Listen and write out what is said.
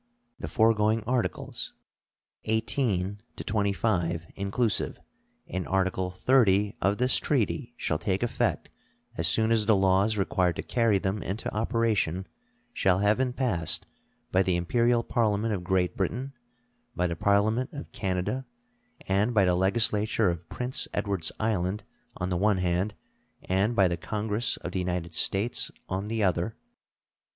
"The foregoing Articles XVIII to XXV, inclusive, and Article XXX of this treaty shall take effect as soon as the laws required to carry them into operation shall have been passed by the Imperial Parliament of Great Britain, by the parliament of Canada, and by the legislature of Prince Edwards Island on the one hand, and by the Congress of the United States on the other.